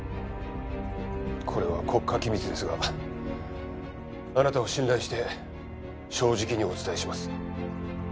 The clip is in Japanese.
これは国家機密ですがあなたを信頼して正直にお伝えします